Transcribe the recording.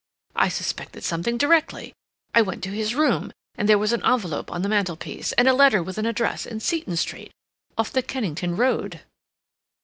I suspected something directly. I went to his room, and there was an envelope on the mantelpiece, and a letter with an address in Seton Street, off the Kennington Road."